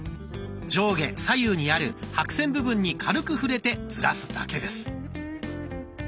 上下左右にある白線部分に軽く触れてずらすだけです。